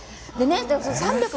３００